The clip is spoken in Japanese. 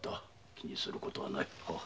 気にする事はない。